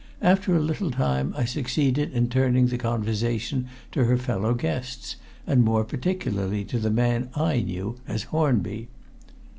After a little time I succeeded in turning the conversation to her fellow guests, and more particularly to the man I knew as Hornby.